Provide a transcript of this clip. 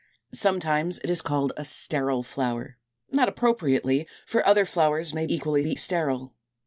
Sometimes it is called a Sterile flower, not appropriately, for other flowers may equally be sterile.